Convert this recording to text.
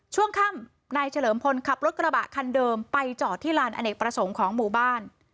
ช่วงค่ำนายเฉลิมพลขับรถกระบะคันเดิมไปจอดที่ลานอเนกประสงค์ของหมู่บ้าน